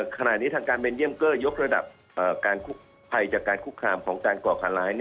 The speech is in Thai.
ขณะนี้ทางการเบนเยี่ยมเกอร์ยกระดับการภัยจากการคุกคามของการก่อการร้าย